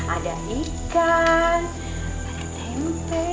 ada ikan ada tempe